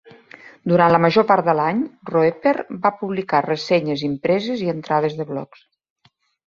Durant la major part de l'any, Roeper va publicar ressenyes impreses i entrades de blogs.